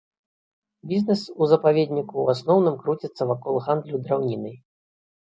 Бізнес у запаведніку ў асноўным круціцца вакол гандлю драўнінай.